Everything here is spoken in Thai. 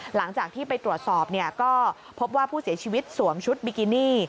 หลังจากที่ไปตรวจสอบก็พบว่าผู้เสียชีวิตสวมชุดบิกินี่